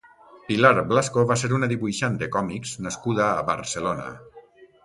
Pilar Blasco va ser una dibuixant de còmics nascuda a Barcelona.